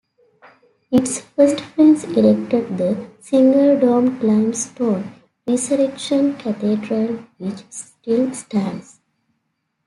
Its first prince erected the single-domed limestone Resurrection Cathedral, which still stands.